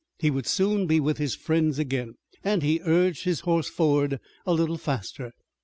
He would soon be with his friends again, and he urged his horse forward a little faster.